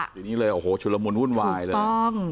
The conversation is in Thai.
ทีนี้เลยโอ้โหชุดละมุนวุ่นวายเลยถูกต้อง